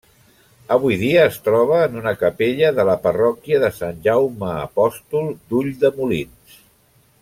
Avui dia es troba en una capella de la parròquia de Sant Jaume Apòstol d'Ulldemolins.